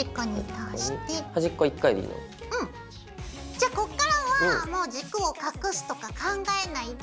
じゃこっからはもう軸を隠すとか考えないで。